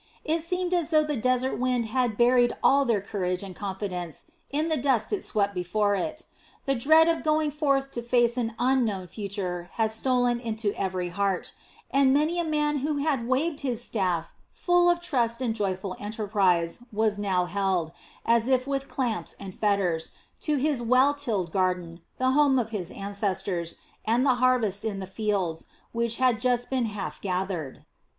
It seemed as though the desert wind had buried all their courage and confidence in the dust it swept before it. The dread of going forth to face an unknown future had stolen into every heart, and many a man who had waved his staff full of trust and joyful enterprise was now held, as if with clamps and fetters, to his well tilled garden, the home of his ancestors, and the harvest in the fields, which had just been half gathered.